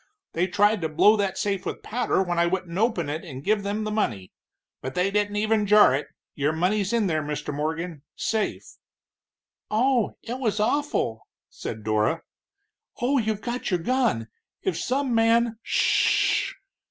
They tried to blow that safe with powder when I wouldn't open it and give them the money. But they didn't even jar it your money's in there, Mr. Morgan, safe." "Oh, it was awful!" said Dora. "Oh, you've got your gun! If some man " "Sh h h!